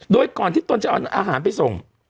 โดยก่อนที่ตนจะเอาอาหารไปส่ง